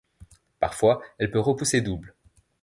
Parfois elle peut repousser double.